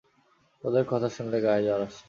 তোদের কথা শুনলে গায়ে জ্বর আসে।